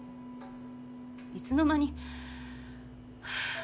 いつの間にはぁ。